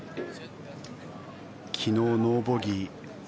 昨日ノーボギー。